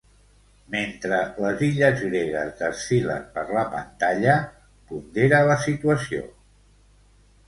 Mentre les illes gregues desfilen per la pantalla pondera la situació.